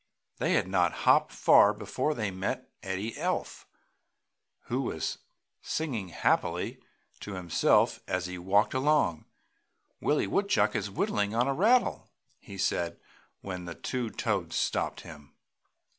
They had not hopped far before they met Eddie Elf, who was singing happily to himself as he walked along. "Willie Woodchuck is whittling on a rattle!" he said, when the two Toads stopped him.